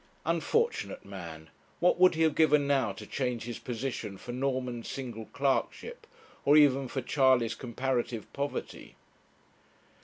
Unfortunate man! what would he have given now to change his position for Norman's single clerkship, or even for Charley's comparative poverty!